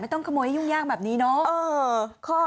ต้องขโมยให้ยุ่งยากแบบนี้เนาะ